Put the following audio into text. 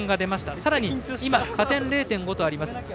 さらに加点０．５とあります。